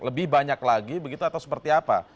lebih banyak lagi begitu atau seperti apa